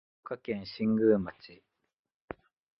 福岡県新宮町